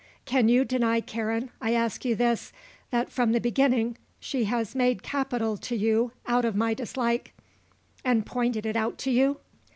Can you deny, Karen, I ask you this, that from the beginning she has made capital to you out of my dislike, and pointed it out to you?"